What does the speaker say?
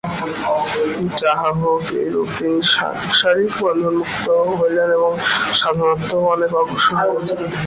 যাহা হউক, এইরূপে তিনি সাংসারিক বন্ধনমুক্ত হইলেন এবং সাধনাতেও অনেক অগ্রসর হইয়াছিলেন।